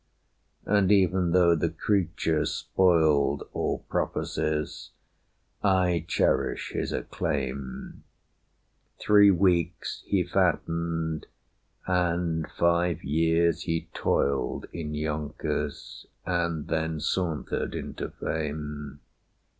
And even though the creature spoiled All prophecies, I cherish his acclaim. Three weeks he fattened; and five years he toiled In Yonkers, and then sauntered into fame.